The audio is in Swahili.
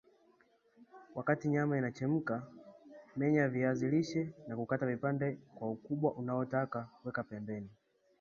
Wakati nyama inachemka menya viazi lishe na kukata vipande kwa ukubwa unaotaka Weka pembeni